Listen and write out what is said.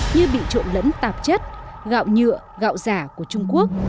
như bị trộn lẫn tạp chất gạo nhựa gạo giả của trung quốc